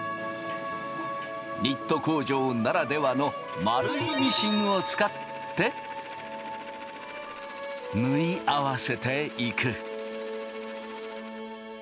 ニット工場ならではの丸いミシンを使って縫い合わせていく。